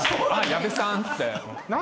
矢部さん」って。